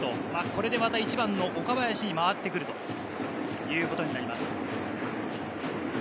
これでまた１番の岡林に回ってくるということになります。